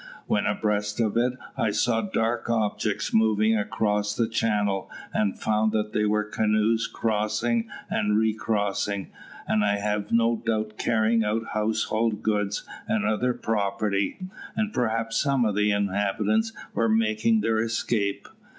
When abreast of it I saw dark objects moving across the channel, and found that they were canoes crossing and recrossing, and I have no doubt carrying off household goods and other property, and perhaps some of the inhabitants were making their escape.